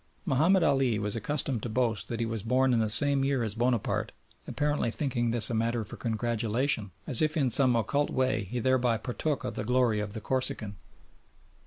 Mahomed Ali was accustomed to boast that he was born in the same year as Bonaparte, apparently thinking this a matter for congratulation as if in some occult way he thereby partook of the glory of the Corsican.